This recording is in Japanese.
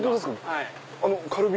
はい。